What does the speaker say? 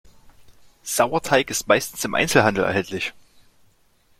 Sauerteig ist meistens im Einzelhandel erhältlich.